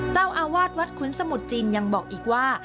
เจ้าอาวาสวัดขุนสมุทรจีนยังบอกอีกว่า